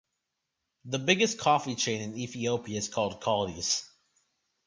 The biggest coffee chain in Ethiopia is called Kaldi's.